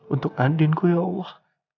untuk andinku ya allah